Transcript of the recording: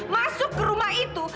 masuk ke rumah itu